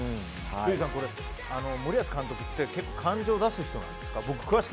ＪＯＹさん、森保監督って結構、感情を出す人なんですか。